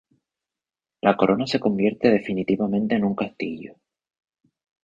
La corona se convierte definitivamente en un castillo.